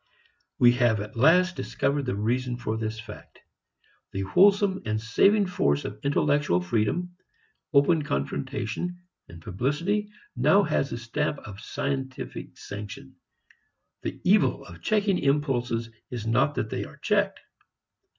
We have at last discovered the reason for this fact. The wholesome and saving force of intellectual freedom, open confrontation, publicity, now has the stamp of scientific sanction. The evil of checking impulses is not that they are checked.